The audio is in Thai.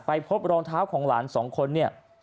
พบรองเท้าของหลานสองคนเนี่ย